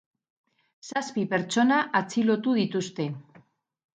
Zazpi pertsona atxilotu dituzte.